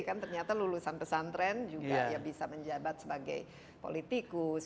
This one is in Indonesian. kan ternyata lulusan pesantren juga ya bisa menjabat sebagai politikus